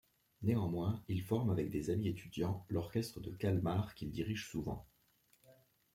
Néanmoins, il forme, avec des amis étudiants, l'orchestre de Kalmar qu'il dirige souvent.